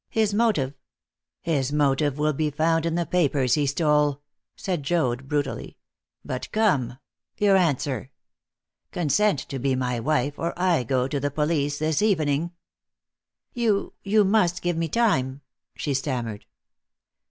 His motive " "His motive will be found in the papers he stole," said Joad brutally. "But come your answer. Consent to be my wife, or I go to the police this evening." "You you must give me time," she stammered.